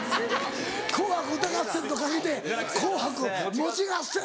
『紅白歌合戦』と掛けて紅白餅合戦。